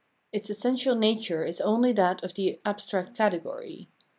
Its essential nature is only that of the abstract category.